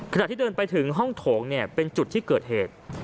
ขณะที่เดินไปถึงห้องโถงเนี่ยเป็นจุดที่เกิดเหตุ